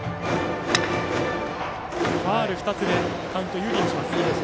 ファウル２つでカウント有利にします。